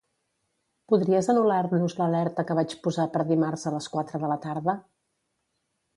Podries anul·lar-nos l'alerta que vaig posar per dimarts a les quatre de la tarda?